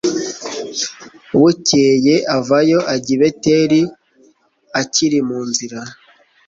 bukeye avayo ajya i beteli akiri mu nzira